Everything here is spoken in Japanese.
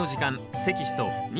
テキスト２